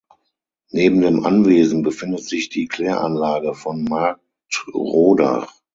Neben dem Anwesen befindet sich die Kläranlage von Marktrodach.